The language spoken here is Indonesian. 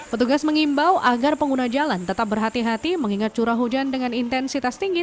petugas mengimbau agar pengguna jalan tetap berhati hati mengingat curah hujan dengan intensitas tinggi